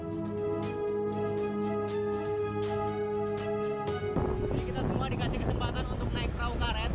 kita semua dikasih kesempatan untuk naik perahu karet